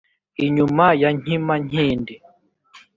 inyuma ya nkima nkindi.